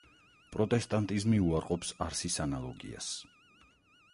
პროტესტანტიზმი უარყოფს არსის ანალოგიას.